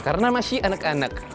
karena masih anak anak